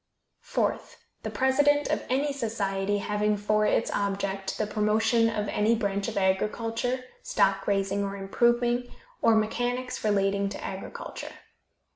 Fourth The president of any society having for its object the promotion of any branch of agriculture, stock raising or improving, or mechanics relating to agriculture.